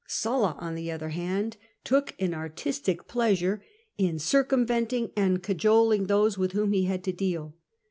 Sulla. SULLA li8 on the other hand, took an artistic pleasure in circum venting and cajoling those with whom he had to deal.